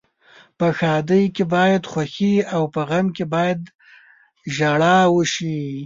په ښادۍ کې باید خوښي او په غم کې باید ژاړا وشي.